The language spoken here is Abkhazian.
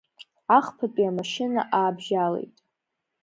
Ахԥатәи амашьына аабжьалеит.